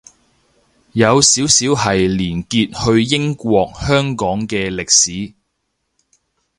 有少少係連結去英國香港嘅歷史